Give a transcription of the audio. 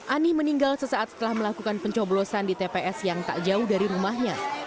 ani meninggal sesaat setelah melakukan pencoblosan di tps yang tak jauh dari rumahnya